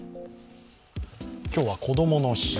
今日は、こどもの日。